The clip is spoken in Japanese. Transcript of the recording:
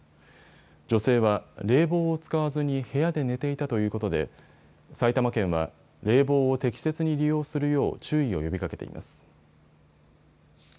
女性は冷房を使わずに部屋で寝ていたということで埼玉県は冷房を適切に利用するよう注意を呼びかけています。